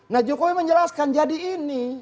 nah jokowi menjelaskan jadi ini